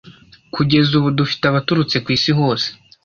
Kugeza ubu dufite abaturutse ku isi hose